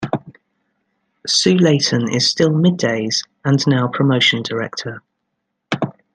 Sue Leighton is still middays and now promotion director.